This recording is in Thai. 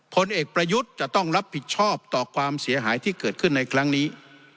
ผลเอกประยุทธ์จะต้องรับผิดชอบต่อความเสียหายที่เกิดขึ้นในครั้งนี้